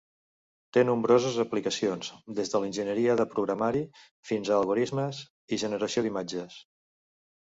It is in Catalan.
Té nombroses aplicacions, des de l'enginyeria de programari fins a algorismes i generació d'imatges.